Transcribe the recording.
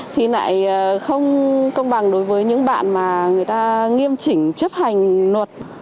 thì lại không công bằng đối với những bạn mà người ta nghiêm chỉnh chấp hành luật